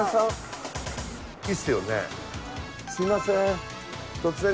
すいません。